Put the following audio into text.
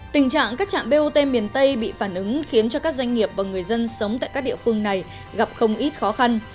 tình trạng các trạm bot miền tây bị phản ứng khiến cho các doanh nghiệp và người dân sống tại các địa phương này gặp không ít khó khăn